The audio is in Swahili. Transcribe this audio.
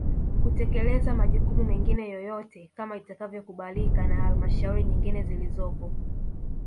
Kutekeleza majukumu mengine yoyote kama itakavyokubalika na Halmashauri nyingine zilizopo